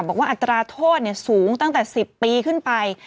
บอกว่าอัตราโทษเนี่ยสูงตั้งแต่๑๐ปีขึ้นไป